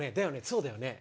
そうだよね？